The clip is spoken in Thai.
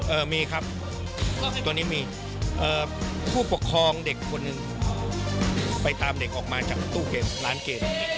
เอ่อมีครับตัวนี้มีเอ่อผู้ปกครองเด็กคนหนึ่งไปตามเด็กออกมาจากตู้เกมร้านเกม